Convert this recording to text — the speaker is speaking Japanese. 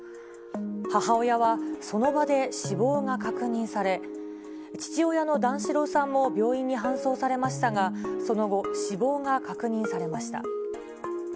母親は、その場で死亡が確認され、父親の段四郎さんも病院に搬送されましたが、その後、死亡が確認されました。